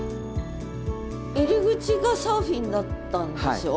入り口がサーフィンだったんでしょ？